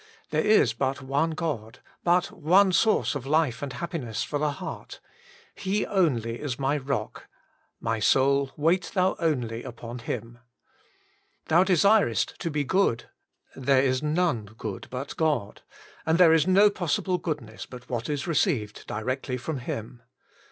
There is but one God, but one source of life and happiness for the heart ; He only is my Rock ; my soul, wait thou only upon Him. Thou xo 146 WAITING ON GOD/ desirest to be good. * There is none good but God,' and there is no possible goodness but what ifl received directly from Him.